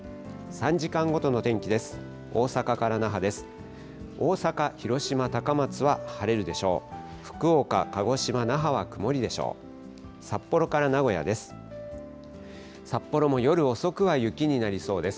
３時間ごとの天気です。